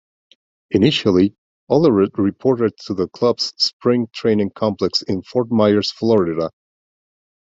Initially, Olerud reported to the club's spring training complex in Fort Myers, Florida.